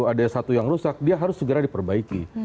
ada satu yang rusak dia harus segera diperbaiki